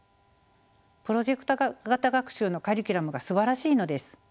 プロジェクト型学習のカリキュラムがすばらしいのです。